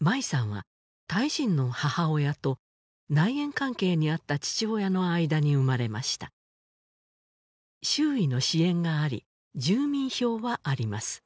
舞さんはタイ人の母親と内縁関係にあった父親の間に生まれました周囲の支援があり住民票はあります